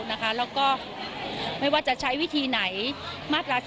แล้วก็ไม่ว่าจะใช้วิธีไหนมาตรา๔